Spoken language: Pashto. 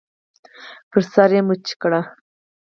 پر سر یې ښکل کړ .